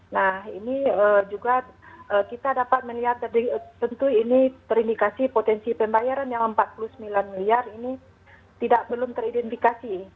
nah ini juga kita dapat melihat tentu ini terindikasi potensi pembayaran yang rp empat puluh sembilan miliar ini belum teridentifikasi